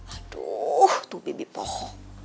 aduh tuh bibi pohok